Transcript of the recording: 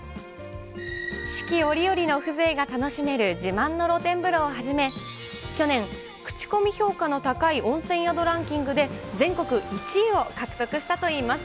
四季折々の風情が楽しめる自慢の露天風呂をはじめ、去年、口コミ評価の高い温泉宿ランキングで、全国１位を獲得したといいます。